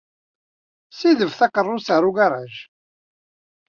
Ssidef takeṛṛust ɣer ugaṛaj.